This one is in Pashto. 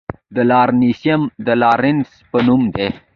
د لارنسیم د لارنس په نوم دی.